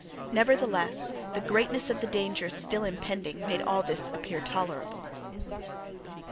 Nevertheless the greatness of the danger still impending made all this appear tolerable.